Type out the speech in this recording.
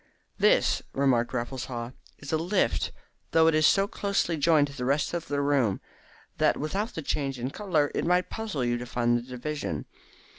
"This," remarked Raffles Haw, "is a lift, though it is so closely joined to the rest of the room that without the change in colour it might puzzle you to find the division.